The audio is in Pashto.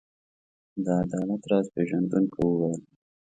د عدالت راز پيژندونکو وویل.